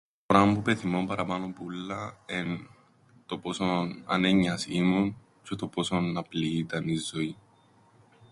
Το πράμαν που πεθυμώ παραπάνω που ούλλα εν' το πόσον άνεννοιας ήμουν τζ̆αι το πόσον απλή ήταν η ζωή.